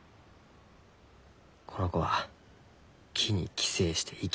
この子は木に寄生して生きる。